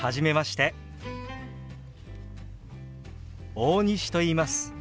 大西といいます。